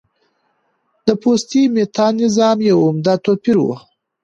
د پوتسي میتا نظام یو عمده توپیر و